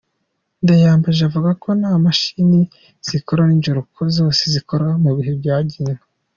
Ndayambaje avuga ko nta mashini zikora n’injoro ko zose zikora mu bihe byagenywe.